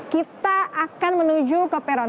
kita akan menuju ke peron